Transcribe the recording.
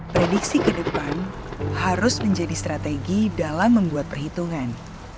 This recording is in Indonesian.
prediksi ke depan harus menjadi strategi dalam membuat perhitungan